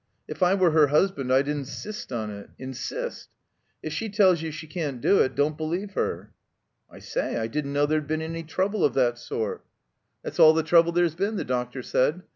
If I were her husband I'd insist on it — insist If she tells you she can't do it, don't believe her." "I say, I didn't know there'd been any trouble of that sort," THE COMBINED MAZE "That's all the trouble there's been," the doctor said.